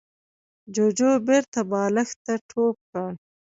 جوجو بېرته بالښت ته ټوپ کړ.